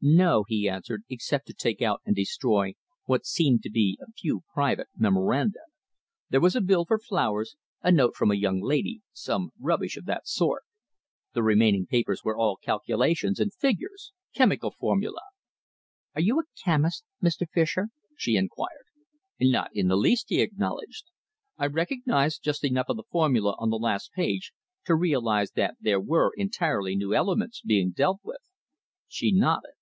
"No," he answered, "except to take out and destroy what seemed to be a few private memoranda. There was a bill for flowers, a note from a young lady some rubbish of that sort. The remaining papers were all calculations and figures, chemical formulae." "Are you a chemist, Mr. Fischer?" she inquired. "Not in the least," he acknowledged. "I recognised just enough of the formulae on the last page to realise that there were entirely new elements being dealt with." She nodded.